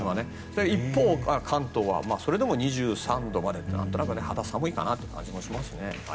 一方、関東はそれでも２３度まで何となく肌寒い感じがしますね。